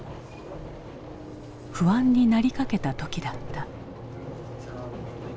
不安になりかけた時だった。